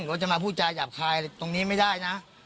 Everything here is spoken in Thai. หรือว่าจะมาพูดจ่ายหยาบคลายตรงนี้ไม่ได้นะ